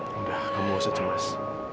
sudah kamu tidak perlu cemas